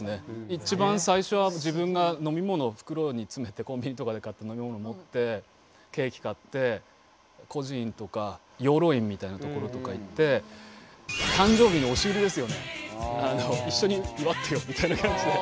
一番最初は自分が飲み物を袋に詰めてコンビニとかで買った飲み物を持ってケーキ買って孤児院とか養老院みたいな所とか行って一緒に祝ってよみたいな感じで。